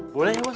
boleh ya bos